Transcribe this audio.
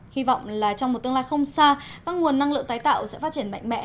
hy vọng là trong một tương lai không xa các nguồn năng lượng tái tạo sẽ phát triển mạnh mẽ